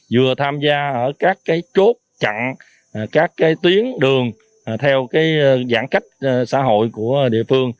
vừa tham gia ở các cái chốt chặn các cái tuyến đường theo cái giãn cách xã hội của địa phương